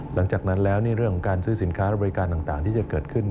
หลังจากนั้นแล้วเรื่องของการซื้อสินค้าและบริการต่างที่จะเกิดขึ้น